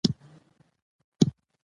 هره شپه خپل اعمال وڅارئ.